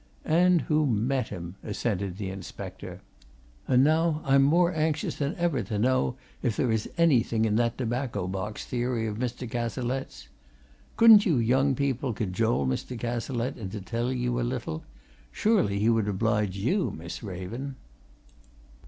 "And who met him," assented the inspector. "And now I'm more anxious than ever to know if there is anything in that tobacco box theory of Mr. Cazalette's. Couldn't you young people cajole Mr. Cazalette into telling you a little? Surely he would oblige you, Miss Raven?"